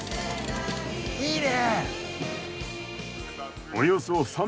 いいね！